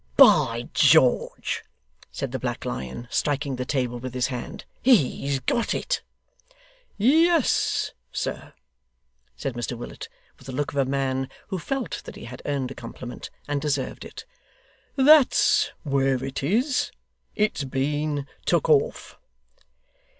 'By George!' said the Black Lion, striking the table with his hand, 'he's got it!' 'Yes, sir,' said Mr Willet, with the look of a man who felt that he had earned a compliment, and deserved it. 'That's where it is. It's been took off.